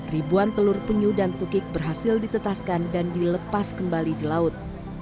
ribuan telur penyu dan tukik berhasil ditetaskan dan dilepas kembali di laut